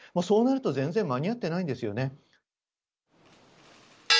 そうなると全然間に合ってないんですよね。